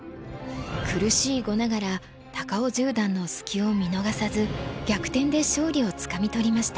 苦しい碁ながら高尾十段の隙を見逃さず逆転で勝利をつかみ取りました。